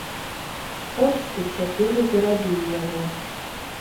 От ты цяпер і зарабіў яго.